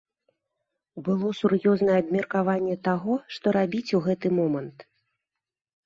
Было сур'ёзнае абмеркаванне таго, што рабіць у гэты момант.